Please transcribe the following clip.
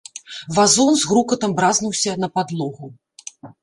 Вазон з грукатам бразнуўся на падлогу.